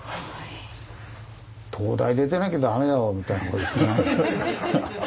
「東大出てなきゃダメだろ」みたいなことですよね。